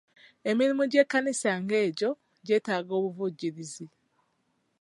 Emirimu gy'ekkanisa ng'egyo gyetaaga obuvujjirizi.